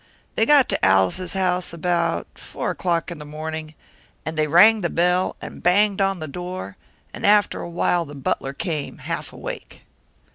They got to Allis's house about four o'clock in the morning, and they rang the bell and banged on the door, and after a while the butler came, half awake.